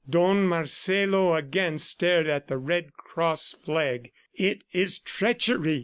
Don Marcelo again stared at the Red Cross flag. "It is treachery!"